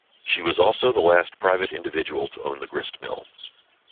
She was also the last private individual to own the grist mill.